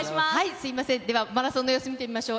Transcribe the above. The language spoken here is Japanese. すみません、ではマラソンの様子見てみましょう。